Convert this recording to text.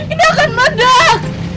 ini akan meledak